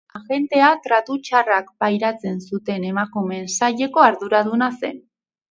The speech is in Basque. Agentea tratu txarrak pairatzen zuten emakumeen saileko arduraduna zen.